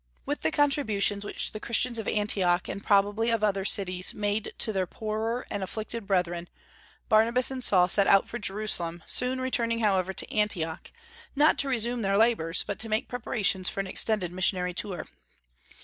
With the contributions which the Christians of Antioch, and probably of other cities, made to their poorer and afflicted brethren, Barnabas and Saul set out for Jerusalem, soon returning however to Antioch, not to resume their labors, but to make preparations for an extended missionary tour.